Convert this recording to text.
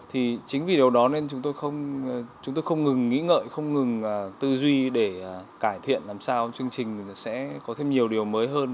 thì chính vì điều đó nên chúng tôi không ngừng nghĩ ngợi không ngừng tư duy để cải thiện làm sao chương trình sẽ có thêm nhiều điều mới hơn